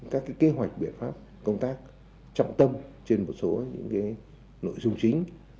các kế hoạch biện pháp công tác trọng tâm trên một số những nội dung chính